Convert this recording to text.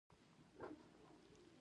جانکو د اخور پر سر ورته ناست و.